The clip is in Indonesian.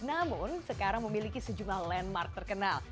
namun sekarang memiliki sejumlah landmark terkenal